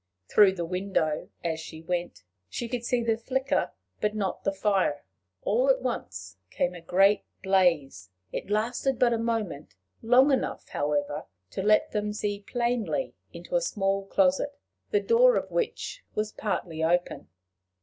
Through the window, as she went, she could see the flicker, but not the fire. All at once came a great blaze. It lasted but a moment long enough, however, to let them see plainly into a small closet, the door of which was partly open.